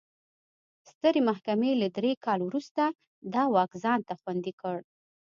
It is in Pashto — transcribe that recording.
سترې محکمې له درې کال وروسته دا واک ځان ته خوندي کړ.